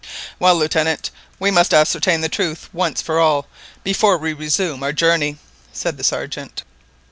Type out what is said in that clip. "Well, Lieutenant, we must ascertain the truth once for all before we resume our journey," said the Sergeant.